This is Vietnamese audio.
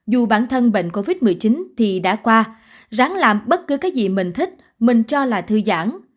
dù bản thân bệnh covid một mươi chín thì đã qua ráng làm bất cứ cái gì mình thích mình cho là thư giãn